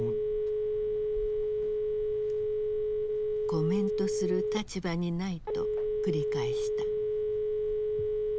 「コメントする立場にない」と繰り返した。